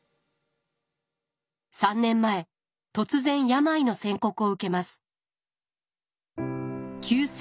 ３年前突然病の宣告を受けます。